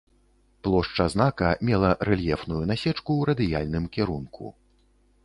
Плошча знака мела рэльефную насечку ў радыяльным кірунку.